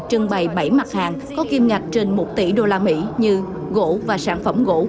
trưng bày bảy mặt hàng có kim ngạch trên một tỷ usd như gỗ và sản phẩm gỗ